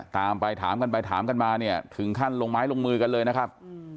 ตามไปถามกันไปถามกันมาเนี่ยถึงขั้นลงไม้ลงมือกันเลยนะครับ